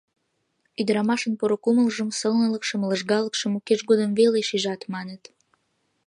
Ӱдырамашын поро кумылжым, сылнылыкшым, лыжгалыкшым укеж годым веле шижат, маныт.